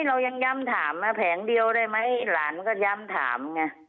เรายังย้ำถามมาแผงเดียวได้ไหมหลานก็ย้ำถามไง